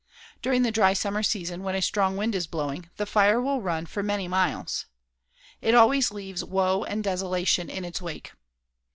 During the dry summer season when a strong wind is blowing, the fire will run for many miles. It always leaves woe and desolation in its wake.